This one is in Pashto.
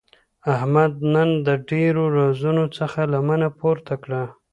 احمد نن د ډېرو رازونو څخه لمنه پورته کړه.